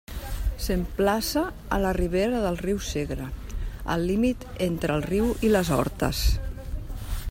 S'emplaça a la ribera del riu Segre, al límit entre el riu i les hortes.